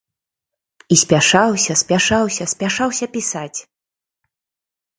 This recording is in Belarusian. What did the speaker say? І спяшаўся, спяшаўся, спяшаўся пісаць.